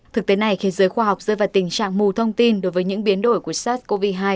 thực tế này khiến giới khoa học rơi vào tình trạng mù thông tin đối với những biến đổi của sars cov hai